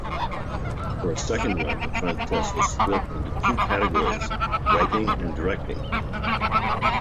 For its second run, the contest was split into two categories: writing and directing.